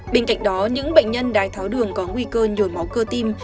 bên cạnh đó những bệnh nhân đái tháo đường có nguy cơ nhồi máu cơ tim